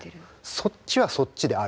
そっちはそっちである。